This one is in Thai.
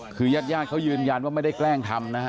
คือญาติญาติเขายืนยันว่าไม่ได้แกล้งทำนะฮะ